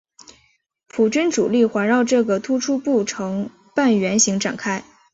普军主力环绕这个突出部成半圆形展开。